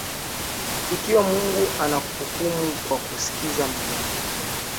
Ikiwa Mungu anahukumu kwa kusikiza maneno